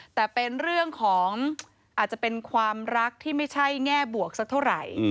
แต่เป็นเรื่องของอาจจะเป็นความรักที่ไม่ใช่แง่บวกสักเท่าไหร่